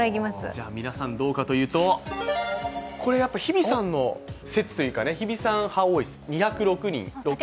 じゃ、皆さんどうかというと日比さん説というか、日比さん派が多いです。